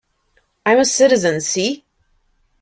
I'm a citizen, see!